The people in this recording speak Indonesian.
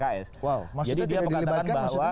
maksudnya tidak dilibatkan maksudnya